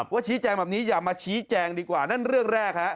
ชี้แจงแบบนี้อย่ามาชี้แจงดีกว่านั่นเรื่องแรกฮะ